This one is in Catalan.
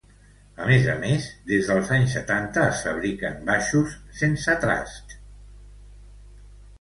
A més a més, des dels anys setanta es fabriquen baixos sense trasts.